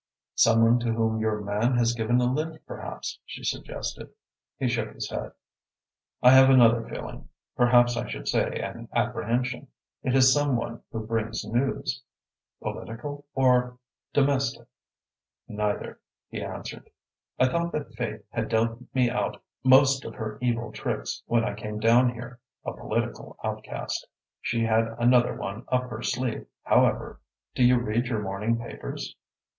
"Some one to whom your man has given a lift, perhaps," she suggested. He shook his head. "I have another feeling perhaps I should say an apprehension. It is some one who brings news." "Political or domestic?" "Neither," he answered. "I thought that Fate had dealt me out most of her evil tricks when I came down here, a political outcast. She had another one up her sleeve, however. Do you read your morning papers?"